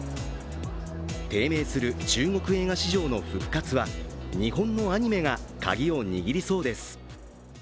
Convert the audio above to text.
低迷する中国映画市場の復活は日本のアニメがカギを握りそうです。